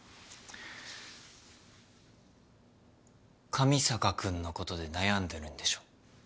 上坂君のことで悩んでるんでしょ？